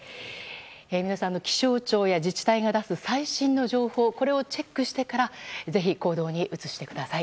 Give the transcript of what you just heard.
皆さんも気象庁や自治体が出す最新の情報をチェックしてからぜひ行動に移してください。